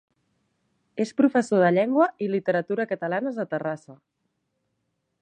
És professor de llengua i literatura catalanes a Terrassa.